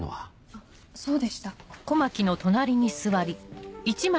あっそうでしたえっと。